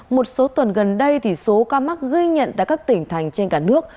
một số tuần gần đây số ca mắc gây nhận tại các tỉnh thành trên cả nước